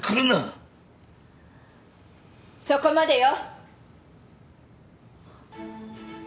・そこまでよ。